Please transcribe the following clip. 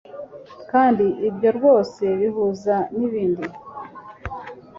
kandi ibyo rwose bihuza n'ibindi